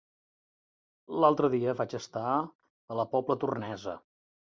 L'altre dia vaig estar a la Pobla Tornesa.